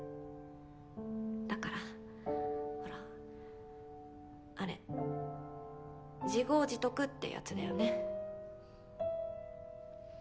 だからほらあれ自業自得ってやつだよね。